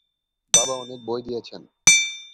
বাবা অনেক বই দিয়েছেন।